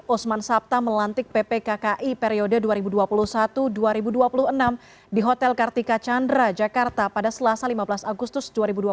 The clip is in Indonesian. osman sabta melantik ppkki periode dua ribu dua puluh satu dua ribu dua puluh enam di hotel kartika chandra jakarta pada selasa lima belas agustus dua ribu dua puluh